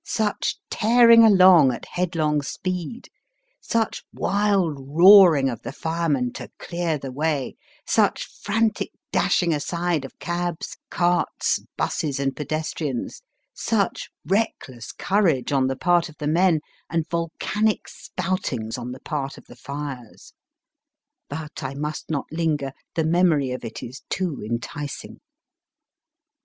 Such tearing along at headlong speed ; such wild roaring of the firemen to clear the way ; such frantic dashing aside of cabs, carts, buses, and pedestrians ; such reckless courage on the part of the men, and volcanic spoutings on the part of the fires ! But I must not linger. The memory of it is too enticing.